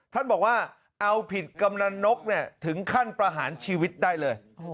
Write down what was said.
ท่านบอกว่าเอาผิดกำนันนกถึงขั้นประหารชีวิตได้เลย